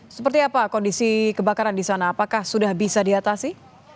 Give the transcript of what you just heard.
seperti apa kondisi kebakaran di sana apakah sudah bisa diatasi